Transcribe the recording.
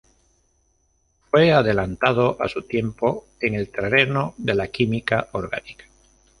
Fue un adelantado a su tiempo en el terreno de la química orgánica.